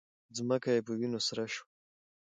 ځمکه یې په وینو سره شوه